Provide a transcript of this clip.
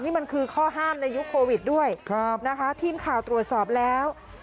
นี่มันคือข้อห้ามในยุคโควิดด้วยนะคะทีมข่าวตรวจสอบแล้ว